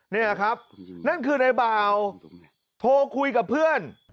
นี่แหละครับนั่นคือในบ่าวโทรคุยกับเพื่อน